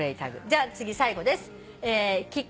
じゃ次最後です。